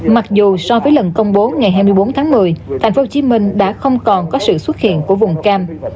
mặc dù so với lần công bố ngày hai mươi bốn tháng một mươi tp hcm đã không còn có sự xuất hiện của vùng cam